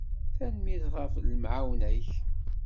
Tanemmirt ɣef lemɛawna-k.